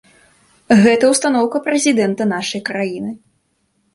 Гэта ўстаноўка прэзідэнта нашай краіны.